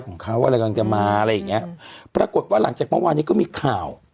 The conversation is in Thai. กำลังจะมาปรากฎว่าหลังจากเมื่อวานนี้มีข่าว